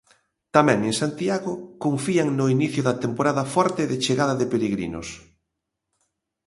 Tamén en Santiago confían no inicio da temporada forte de chegada de peregrinos.